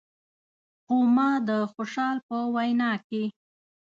خو ما د خوشحال په وینا کې.